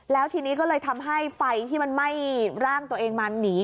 แล้วทีนี้ก็เลยทำให้ไฟที่มันไหม้ร่างตัวเองมาหนี